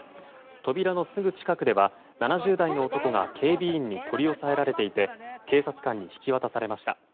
扉のすぐ近くでは７０代の男が警備員に取り押さえられていて警察官に引き渡されました。